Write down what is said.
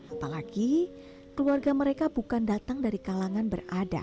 apalagi keluarga mereka bukan datang dari kalangan berada